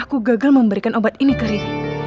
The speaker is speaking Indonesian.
aku gagal memberikan obat ini ke ritu